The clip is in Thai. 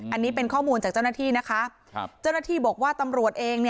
อันนี้เป็นข้อมูลจากเจ้าหน้าที่นะคะเจ้าหน้าที่บอกว่าตำรวจเอง